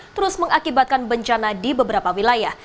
terus mengakibatkan bencana di beberapa wilayah